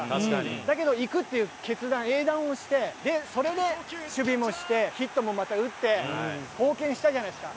だけど行くっていう決断英断をしてそれで守備もしてヒットもまた打って貢献したじゃないですか。